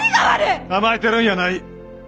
甘えてるんやない！